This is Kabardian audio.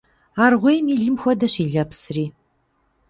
Аргъуейм и лым хуэдэщ и лэпсри.